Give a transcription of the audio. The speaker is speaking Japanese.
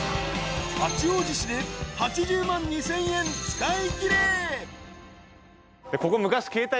［八王子市で８０万２，０００円使いきれ］